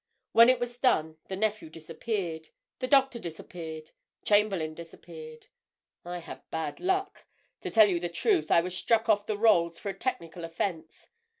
When it was done, the nephew disappeared; the doctor disappeared; Chamberlayne disappeared. I had bad luck—to tell you the truth, I was struck off the rolls for a technical offence.